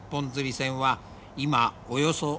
船は今およそ１００隻。